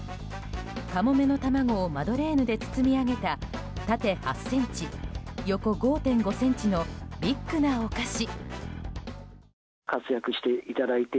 かもめの玉子をマドレーヌで包み上げた縦８ｃｍ、横５．５ｃｍのビッグなお菓子。